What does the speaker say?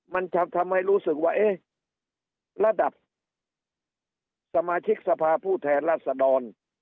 มันจะทำให้รู้สึกว่าเอ๊ะระดับสมาชิกสภาผู้แทนรัศดร